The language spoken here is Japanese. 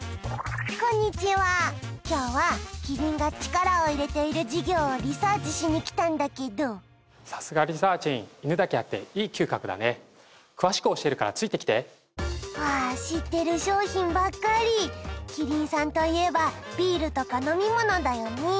こんにちは今日はキリンが力を入れている事業をリサーチしに来たんだけどさすがリサーちん犬だけあっていい嗅覚だね詳しく教えるからついてきてわ知ってる商品ばっかりキリンさんと言えばビールとか飲み物だよね